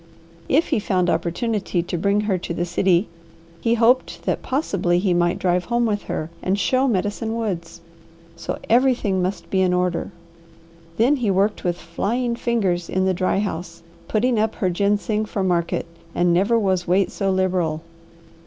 If he found opportunity to bring her to the city, he hoped that possibly he might drive home with her and show Medicine Woods, so everything must be in order. Then he worked with flying fingers in the dry house, putting up her ginseng for market, and never was weight so liberal.